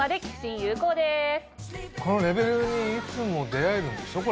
このレベルにいつも出合えるんでしょ？